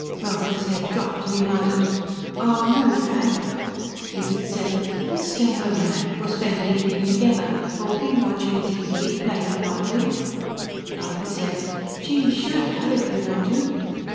Ralphie's head dropped and he muttered, "Aw, no, Dad." Edith said, "He'll stay home, Hank. We'll spend an evening together talking, watching TV, playing Monopoly." Ralphie said, "Gee, sure, Dad, if you want to."